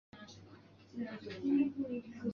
南座和北座的楼层名称都不一样。